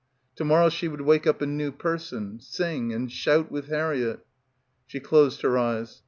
To morrow she would wake up a new person ... sing; and shout with Harriett. She closed her eyes.